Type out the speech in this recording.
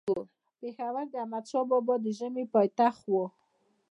پيښور د احمدشاه بابا د ژمي پايتخت وو